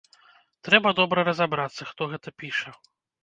Трэба добра разабрацца, хто гэта піша.